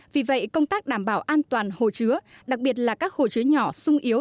vì vậy công tác đảm bảo an toàn hồ chứa đặc biệt là các hồ chứa nhỏ sung yếu